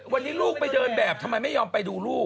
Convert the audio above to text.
วันนี้ลูกไปเดินแบบทำไมไม่ยอมไปดูลูก